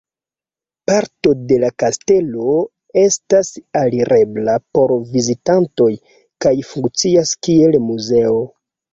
Parto de la kastelo estas alirebla por vizitantoj kaj funkcias kiel muzeo.